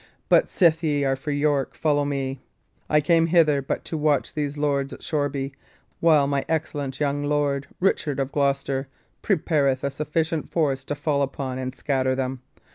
But sith ye are for York, follow me. I came hither but to watch these lords at Shoreby, while mine excellent young lord, Richard of Gloucester, prepareth a sufficient force to fall upon and scatter them.